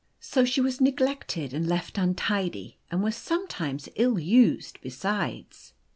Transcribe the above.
So she was neglected and left untidy, and was sometimes ill used besides.